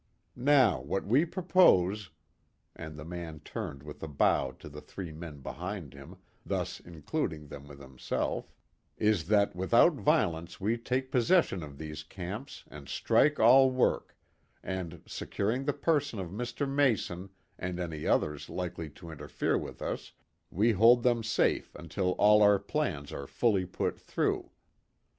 Now, what we propose," and the man turned with a bow to the three men behind him, thus including them with himself, "is that without violence we take possession of these camps and strike all work, and, securing the person of Mr. Mason, and any others likely to interfere with us, we hold them safe until all our plans are fully put through.